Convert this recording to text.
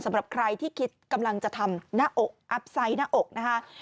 สำหรับใครที่คิดกำลังจะทำหน้าอกอัพไซต์หน้าอกนะคะ